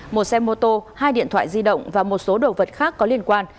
một xe mô tô hai điện thoại di động và một số đồ vật khác có liên quan